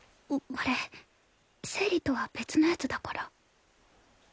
これ生理とは別のやつだから。